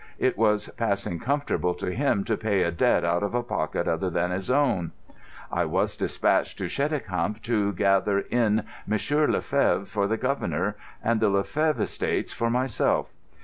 It was passing comfortable to him to pay a debt out of a pocket other than his own. I was dispatched to Cheticamp to gather in Monsieur le Fevre for the Governor and the le Fevre estates for myself.